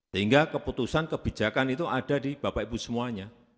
sehingga keputusan kebijakan itu ada di bapak ibu semuanya